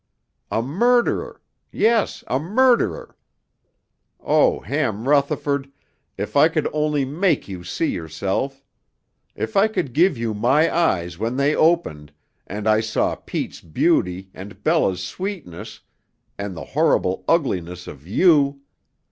"A murderer! Yes, a murderer. Oh, Ham Rutherford, if I could only make you see yourself! If I could give you my eyes when they opened, and I saw Pete's beauty and Bella's sweetness and the horrible ugliness of you!